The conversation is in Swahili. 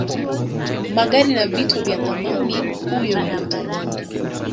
magari na vito vya thamani huyo ndio tajiri